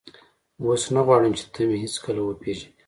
اوس نه غواړم چې ته مې هېڅکله وپېژنې.